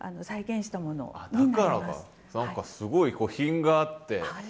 何かすごい品があって。